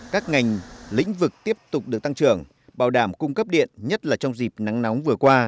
các ngành lĩnh vực tiếp tục được tăng trưởng bảo đảm cung cấp điện nhất là trong dịp nắng nóng vừa qua